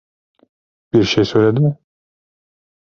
Bir şey söyledi mi?